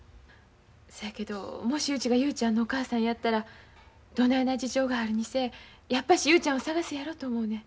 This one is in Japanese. そやけどもしうちが雄ちゃんのお母さんやったらどないな事情があるにせえやっぱし雄ちゃんを捜すやろと思うねん。